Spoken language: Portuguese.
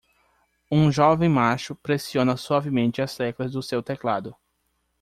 Um jovem macho pressiona suavemente as teclas do seu teclado.